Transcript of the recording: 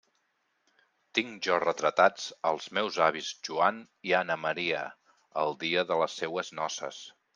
Tinc jo retratats els meus avis Joan i Anna Maria, el dia de les seues noces.